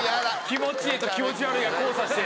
気持ちええと気持ち悪いが交差して。